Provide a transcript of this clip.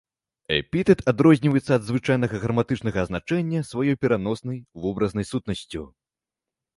Эпітэт адрозніваецца ад звычайнага граматычнага азначэння сваёй пераноснай, вобразнай сутнасцю.